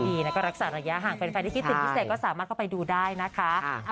ดีนะก็รักษาระยะห่างแฟนที่คิดถึงพิเศษก็สามารถเข้าไปดูได้นะคะ